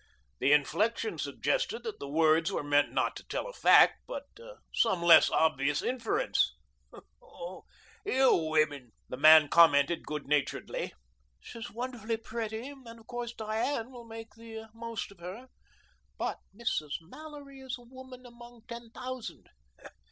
The inflection suggested that the words were meant not to tell a fact, but some less obvious inference. "Oh, you women!" the man commented good naturedly. "She's wonderfully pretty, and of course Diane will make the most of her. But Mrs. Mallory is a woman among ten thousand."